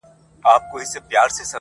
سرکښي نه کوم نور خلاص زما له جنجاله یې,